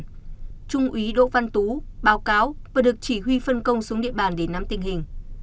trung úy đỗ văn tú báo cáo và được chỉ huy phân công xuống địa bàn để nắm tình hình